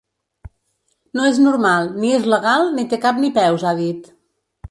No és normal, ni és legal, ni té ni cap ni peus, ha dit.